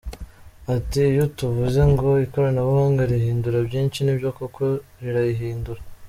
Ati” Iyo tuvuze ngo ikoranabuhanga rihindura byinshi, nibyo koko rirabihindura.